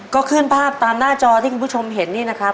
ก็ขึ้นภาพตามหน้าจอที่คุณผู้ชมเห็นนี่นะครับ